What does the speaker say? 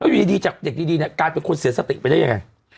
อยู่ดีจากเด็กดีเนี่ยกลายเป็นคนเสียสติไปได้ยังไง